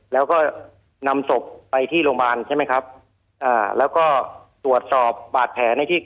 แล้วก็นำศพไปที่โรงพยาบาลใช่ไหมครับอ่าแล้วก็ตรวจสอบบาดแผลในที่